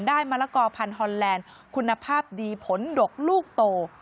มะละกอพันธอนแลนด์คุณภาพดีผลดกลูกโต